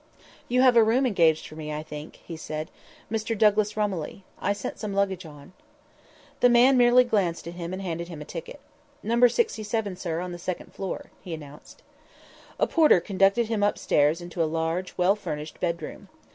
"You have a room engaged for me, I think," he said, "Mr. Douglas Romilly. I sent some luggage on." The man merely glanced at him and handed him a ticket. "Number sixty seven, sir, on the second floor," he announced. A porter conducted him up stairs into a large, well furnished bedroom.